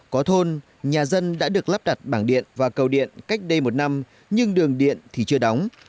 có thôn nhà dân đã được lắp đặt bảng điện và cầu điện cách đây một năm nhưng đường điện thì chưa đóng